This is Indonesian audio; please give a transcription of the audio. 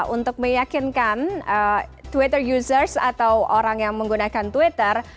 untuk meyakinkan twitter users atau orang yang menggunakan twitter